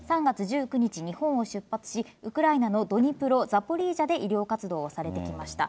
３月１９日、日本を出発し、ウクライナのドニプロ、ザポリージャで医療活動をされてきました。